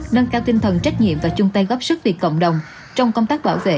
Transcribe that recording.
nâng cao tinh thần trách nhiệm và chung tay góp sức vì cộng đồng trong công tác bảo vệ